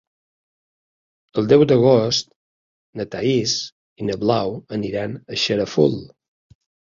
El deu d'agost na Thaís i na Blau aniran a Xarafull.